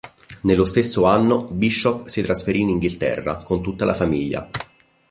Nello stesso anno Bishop si trasferì in Inghilterra con tutta la famiglia.